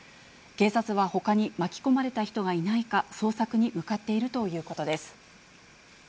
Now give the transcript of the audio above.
警察はほかに巻き込まれた人がいないか、捜索に向かっているということです。